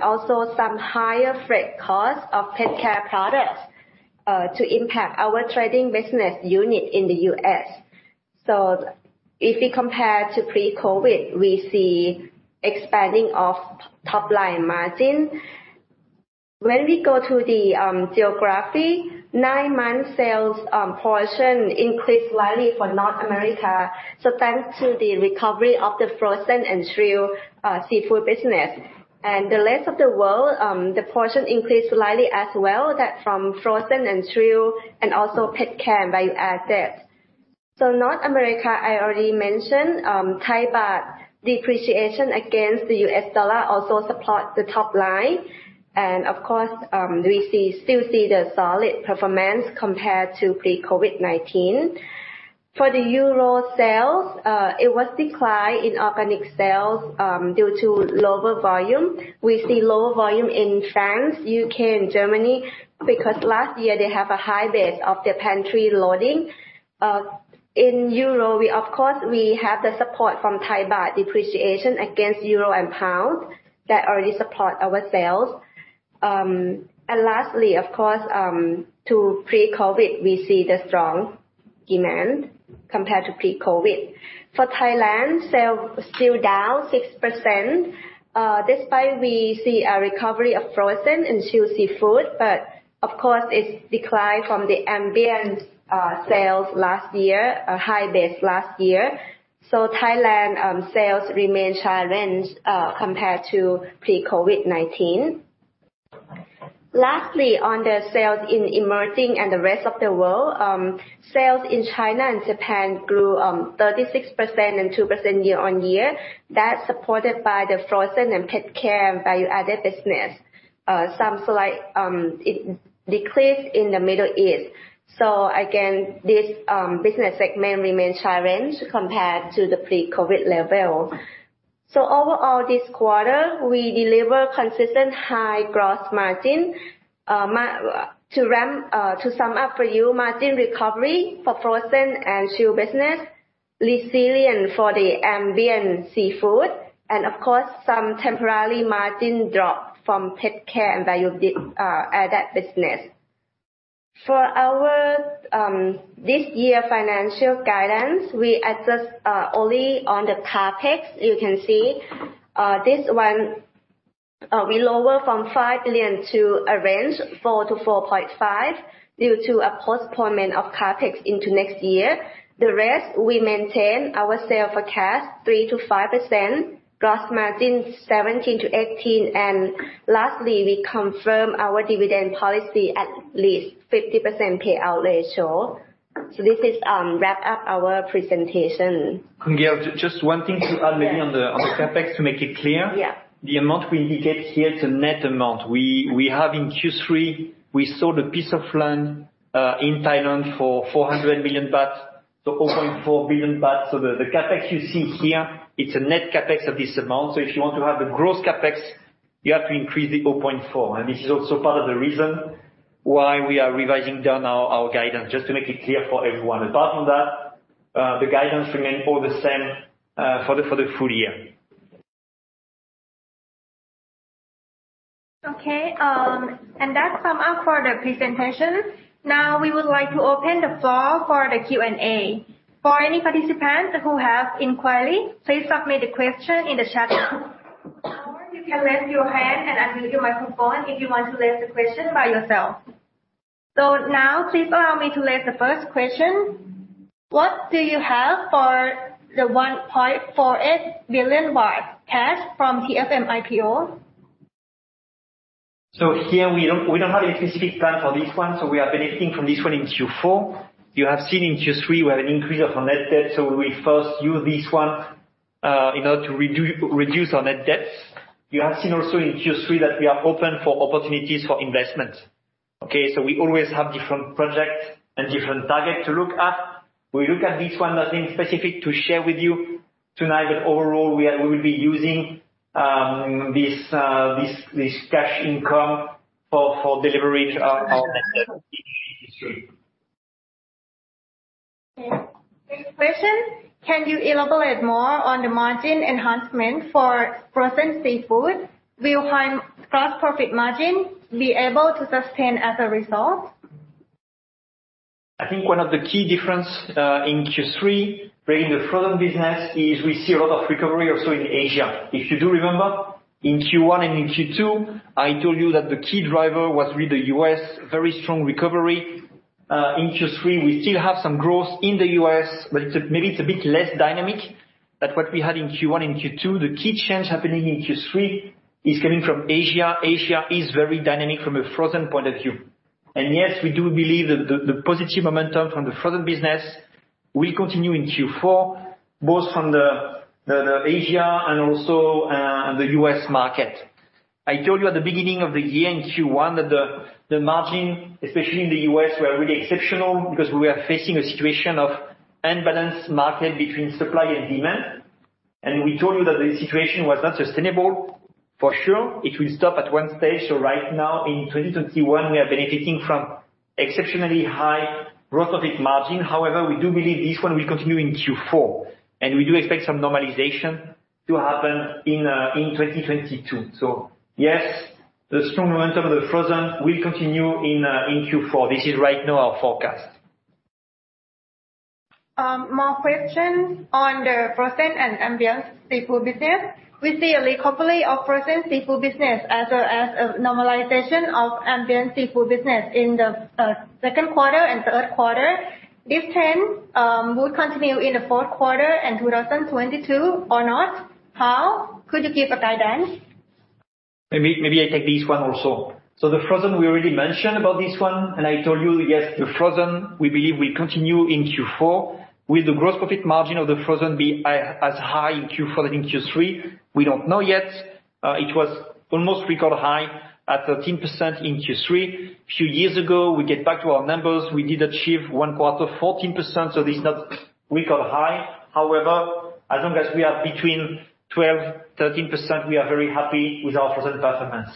Also some higher freight costs of PetCare products to impact our trading business unit in the U.S. If we compare to pre-COVID, we see expanding of top-line margin. When we go to the geography, nine-month sales portion increased slightly for North America, thanks to the recovery of the frozen and chilled seafood business. The rest of the world, the portion increased slightly as well. That's from frozen and chilled and also PetCare and value-added. North America, I already mentioned. Thai baht depreciation against the US dollar also support the top line. Of course, we still see the solid performance compared to pre-COVID-19. For the euro sales, it was decline in organic sales due to lower volume. We see lower volume in France, U.K., and Germany because last year they have a high base of the pantry loading. In euro, we of course have the support from Thai baht depreciation against euro and pound that already support our sales. Lastly, of course, compared to pre-COVID, we see the strong demand compared to pre-COVID. For Thailand, sales still down 6%, despite we see a recovery of frozen and chilled seafood, but of course it's declined from the ambient sales last year, a high base last year. Thailand sales remain challenged compared to pre-COVID-19. Lastly, on the sales in emerging and the rest of the world, sales in China and Japan grew 36% and 2% year-on-year. That's supported by the Frozen and PetCare and Value-added business. Some slight decrease in the Middle East. Again, this business segment remains challenged compared to the pre-COVID level. Overall this quarter, we deliver consistent high gross margin. To sum up for you, margin recovery for Frozen and Chilled business, resilient for the Ambient seafood and of course some temporary margin drop from PetCare and Value-added business. For our this year's financial guidance, we assess only on the CapEx. You can see this one we lower from 5 billion to a range 4 billion-4.5 billion due to a postponement of CapEx into next year. The rest we maintain our sales forecast 3%-5%, gross margin 17%-18%, and lastly we confirm our dividend policy at least 50% payout ratio. This wraps up our presentation. Khun Kalvalee, just one thing to add maybe. Yeah. On the CapEx to make it clear. Yeah. The amount we indicate here, it's a net amount. We have in Q3, we sold a piece of land in Thailand for 400 million baht, so 4.4 billion baht. The CapEx you see here, it's a net CapEx of this amount, so if you want to have the gross CapEx, you have to increase it 4.4. This is also part of the reason why we are revising down our guidance, just to make it clear for everyone. Apart from that, the guidance remain all the same for the full year. Okay, that's sum up for the presentation. Now we would like to open the floor for the Q&A. For any participants who have inquiry, please submit the question in the chat box. Or you can raise your hand and unmute your microphone if you want to raise the question by yourself. Now please allow me to raise the first question: What do you have for the 1.48 billion baht cash from TFM IPO? Here we don't have any specific plan for this one, so we are benefiting from this one in Q4. You have seen in Q3 we have an increase of our net debt, so we first use this one in order to reduce our net debts. You have seen also in Q3 that we are open for opportunities for investment. Okay, we always have different projects and different targets to look at. We look at this one, nothing specific to share with you tonight, but overall we will be using this cash income for delivery to our investors. Okay. Next question, can you elaborate more on the margin enhancement for frozen seafood? Will high gross profit margin be able to sustain as a result? I think one of the key differences in Q3 for the frozen business is we see a lot of recovery also in Asia. If you do remember, in Q1 and in Q2, I told you that the key driver was really the U.S. very strong recovery. In Q3, we still have some growth in the U.S., but it's a bit less dynamic than what we had in Q1 and Q2. The key change happening in Q3 is coming from Asia. Asia is very dynamic from a frozen point of view. Yes, we do believe that the positive momentum from the frozen business will continue in Q4, both from the Asia and also the U.S. market. I told you at the beginning of the year in Q1 that the margin, especially in the U.S., were really exceptional because we are facing a situation of unbalanced market between supply and demand. We told you that the situation was not sustainable. For sure, it will stop at one stage. Right now in 2021, we are benefiting from exceptionally high growth of its margin. However, we do believe this one will continue in Q4, and we do expect some normalization to happen in 2022. Yes, the strong momentum of the frozen will continue in Q4. This is right now our forecast. One more question on the Frozen seafood and Ambient seafood business. We see a recovery of Frozen seafood business as well as a normalization of Ambient seafood business in the Q2 and Q3. This trend will continue in the Q4 and 2022 or not? How could you give a guidance? Maybe I take this one also. The frozen we already mentioned about this one, and I told you, yes, the frozen we believe will continue in Q4. Will the gross profit margin of the frozen be as high in Q4 than in Q3? We don't know yet. It was almost record high at 13% in Q3. Few years ago, we get back to our numbers, we did achieve one quarter 14%, so this is not record high. However, as long as we are between 12%-13%, we are very happy with our frozen performance.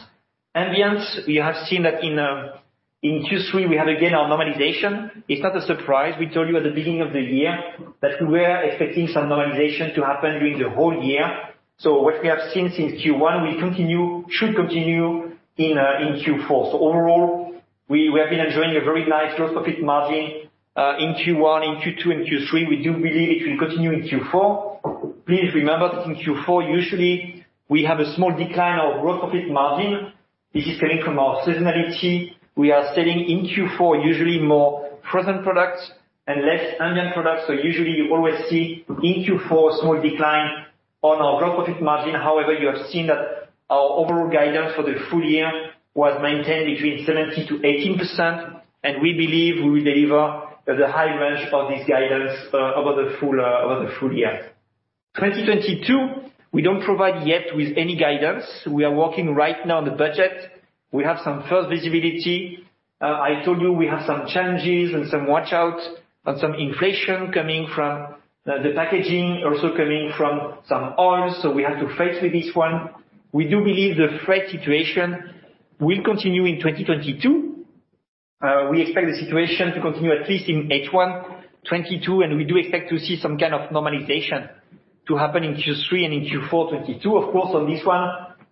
Ambient, we have seen that in Q3, we have again our normalization. It's not a surprise. We told you at the beginning of the year that we were expecting some normalization to happen during the whole year. What we have seen since Q1 should continue in Q4. Overall, we have been enjoying a very nice gross profit margin in Q1, in Q2, in Q3. We do believe it will continue in Q4. Please remember that in Q4 usually we have a small decline of gross profit margin. This is coming from our seasonality. We are selling in Q4 usually more Frozen products and less Ambient products. Usually you always see in Q4 a small decline on our gross profit margin. However, you have seen that our overall guidance for the full year was maintained between 17%-18%, and we believe we will deliver the high range of this guidance over the full year. 2022, we don't provide any guidance yet. We are working right now on the budget. We have some first visibility. I told you we have some challenges and some watch outs and some inflation coming from the packaging, also coming from some oils. We have to face with this one. We do believe the freight situation will continue in 2022. We expect the situation to continue at least in H1 2022, and we do expect to see some kind of normalization to happen in Q3 and in Q4 2022. Of course, on this one,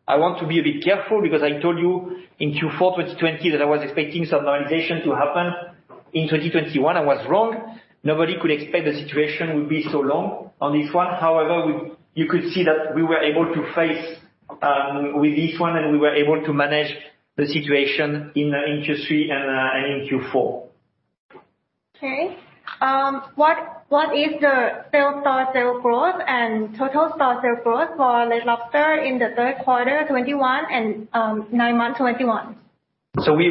I want to be a bit careful because I told you in Q4 2020 that I was expecting some normalization to happen. In 2021, I was wrong. Nobody could expect the situation would be so long on this one. However, you could see that we were able to face with this one, and we were able to manage the situation in Q3 and in Q4. What is the same-store sales growth and total store sales growth for Red Lobster in the Q3 2021 and nine months 2021?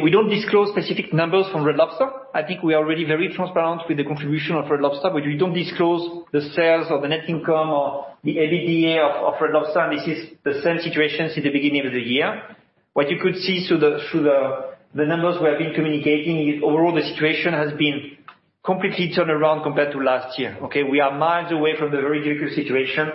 We don't disclose specific numbers from Red Lobster. I think we are really very transparent with the contribution of Red Lobster, but we don't disclose the sales or the net income or the EBITDA of Red Lobster. This is the same situation since the beginning of the year. What you could see through the numbers we have been communicating is overall the situation has been completely turned around compared to last year, okay. We are miles away from the very difficult situation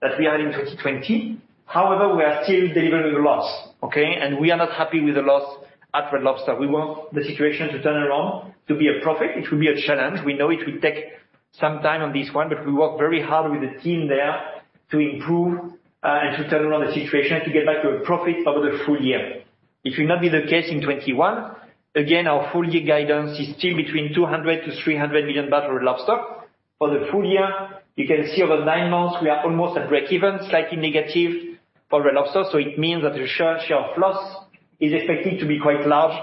that we had in 2020. However, we are still delivering a loss, okay. We are not happy with the loss at Red Lobster. We want the situation to turn around to be a profit. It will be a challenge. We know it will take some time on this one, but we work very hard with the team there to improve and to turn around the situation to get back to a profit over the full year. It will not be the case in 2021. Again, our full year guidance is still between $200 million-$300 million Red Lobster. For the full year, you can see over 9 months, we are almost at breakeven, slightly negative for Red Lobster. It means that the share of loss is expected to be quite large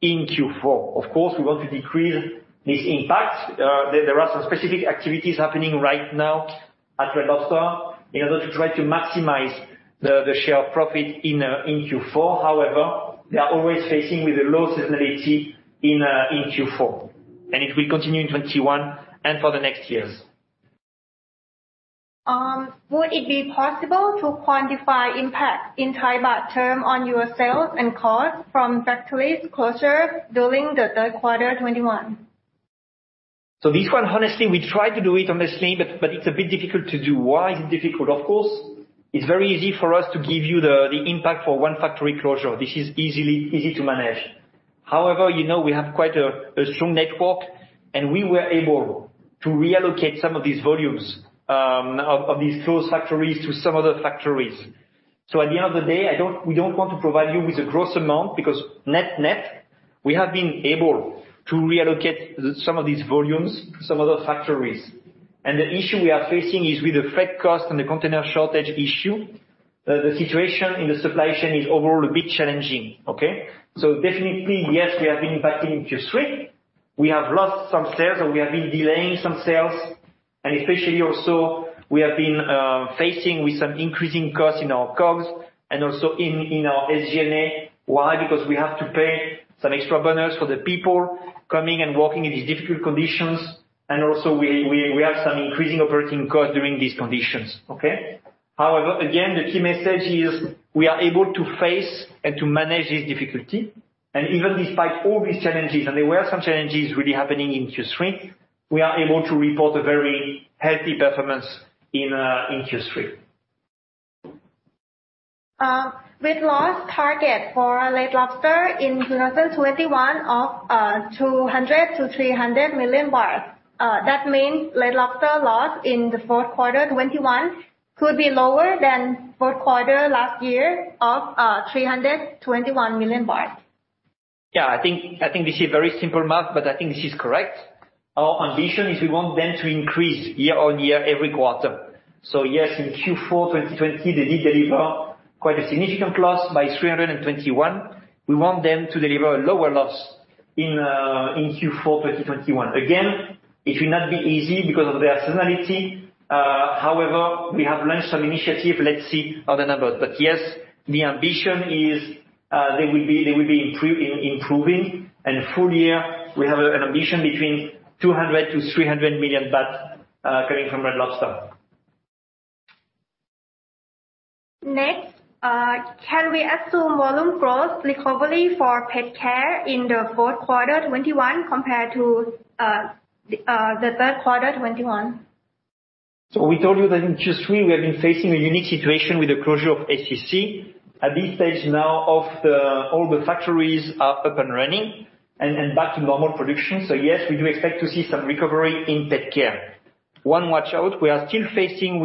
in Q4. Of course, we want to decrease this impact. There are some specific activities happening right now at Red Lobster in order to try to maximize the share of profit in Q4. However, they are always facing with a low seasonality in Q4, and it will continue in 2021 and for the next years. Would it be possible to quantify impact in Thai baht terms on your sales and costs from factory closures during the Q3 2021? This one, honestly, we tried to do it, honestly, but it's a bit difficult to do. Why is it difficult? Of course, it's very easy for us to give you the impact for one factory closure. This is easy to manage. However, you know we have quite a strong network, and we were able to reallocate some of these volumes, of these closed factories to some other factories. At the end of the day, we don't want to provide you with a gross amount because net-net we have been able to reallocate some of these volumes to some other factories. The issue we are facing is with the freight cost and the container shortage issue, the situation in the supply chain is overall a bit challenging. Okay. Definitely, yes, we have been impacted in Q3. We have lost some sales or we have been delaying some sales, and especially also we have been facing with some increasing costs in our COGS and also in our SG&A. Why? Because we have to pay some extra bonus for the people coming and working in these difficult conditions, and also we have some increasing operating costs during these conditions. Okay? However, again, the key message is we are able to face and to manage this difficulty. Even despite all these challenges, and there were some challenges really happening in Q3, we are able to report a very healthy performance in Q3. With loss target for Red Lobster in 2021 of 200 million-300 million baht, that means Red Lobster loss in the Q4 2021 could be lower than Q4 last year of 321 million baht. Yeah. I think, I think this is very simple math, but I think this is correct. Our ambition is we want them to increase year-on-year, every quarter. Yes, in Q4 2020 they did deliver quite a significant loss by 321 million. We want them to deliver a lower loss in Q4 2021. Again, it will not be easy because of the seasonality. However, we have launched some initiative. Let's see how the numbers. Yes, the ambition is they will be improving. Full year we have an ambition between 200 million to 300 million baht coming from Red Lobster. Next, can we assume volume growth recovery for PetCare in the Q4 2021 compared to the Q3 2021? We told you that in Q3 we have been facing a unique situation with the closure of ACC. At this stage now all the factories are up and running and back to normal production. Yes, we do expect to see some recovery in PetCare. One watch out, we are still facing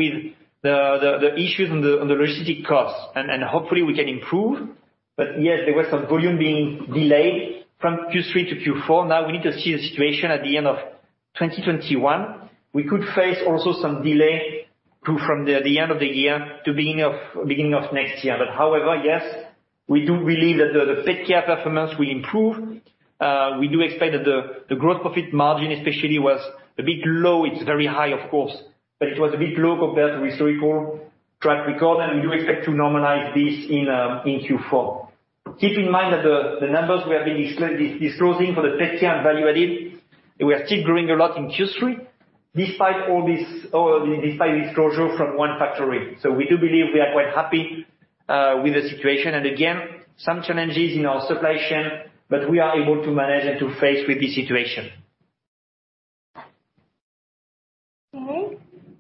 the issues on the raw material costs and hopefully we can improve. Yes, there was some volume being delayed from Q3 to Q4. Now we need to see the situation at the end of 2021. We could face also some delay from the end of the year to beginning of next year. However, yes, we do believe that the PetCare performance will improve. We do expect that the gross profit margin especially was a bit low. It's very high of course, but it was a bit low compared to historical track record, and we do expect to normalize this in Q4. Keep in mind that the numbers we have been disclosing for the PetCare and value-added, we are still showing strong growthin Q3 despite all this, despite this closure from one factory. We do believe we are quite happy with the situation. Again, some challenges in our supply chain, but we are able to manage and to face with the situation.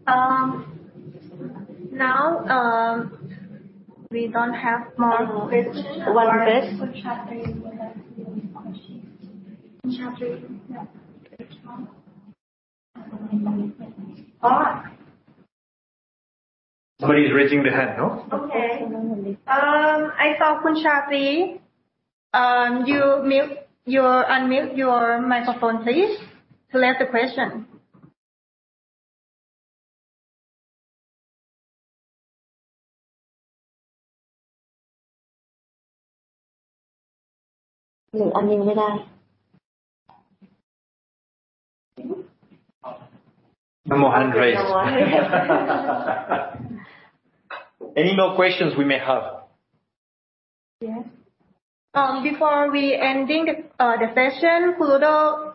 Okay. Now, we don't have more questions. One question. Somebody is raising their hand, no? Okay. I saw Khun Chalee. Unmute your microphone please to ask the question. No more hands raised. Any more questions we may have? Yes. Before we end the session, Ludo,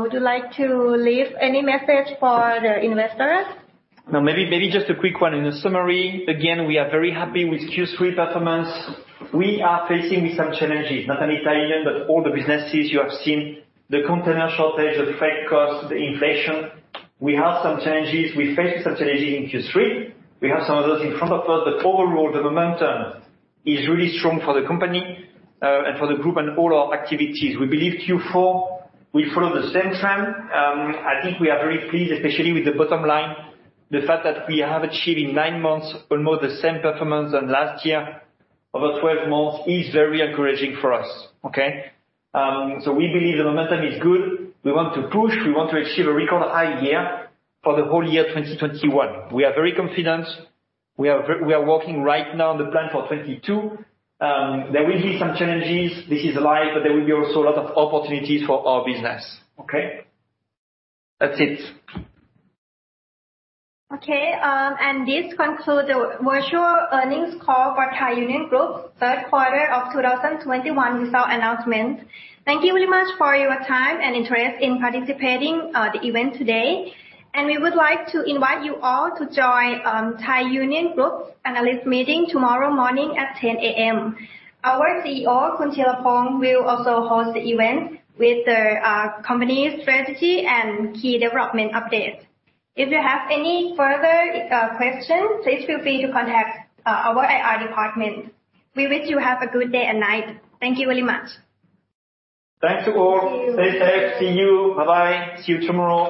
would you like to leave any message for the investors? No, maybe just a quick one in the summary. Again, we are very happy with Q3 performance. We are facing some challenges, not only Thai Union, but all the businesses you have seen. The container shortage, the freight cost, the inflation. We have some challenges. We faced some challenges in Q3. We have some of those in front of us, but overall the momentum is really strong for the company, and for the group and all our activities. We believe Q4 will follow the same trend. I think we are very pleased, especially with the bottom line. The fact that we have achieved in nine months almost the same performance than last year, over 12 months, is very encouraging for us. Okay? So we believe the momentum is good. We want to push. We want to achieve a record high year for the whole year 2021. We are very confident. We are working right now on the plan for 2022. There will be some challenges, this is life, but there will be also a lot of opportunities for our business. Okay. That's it. Okay. This concludes the virtual earnings call for Thai Union Group Q3 2021 result announcement. Thank you very much for your time and interest in participating the event today. We would like to invite you all to join Thai Union Group's analyst meeting tomorrow morning at 10 A.M. Our CEO, Khun Thiraphong, will also host the event with the company's strategy and key development update. If you have any further questions, please feel free to contact our IR department. We wish you have a good day and night. Thank you very much. Thanks to all. Thank you. Stay safe. See you. Bye-bye. See you tomorrow.